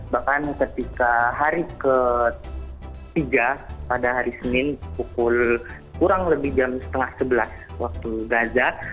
bahkan ketika hari ketiga pada hari senin kurang lebih jam setengah sebelas waktu gaza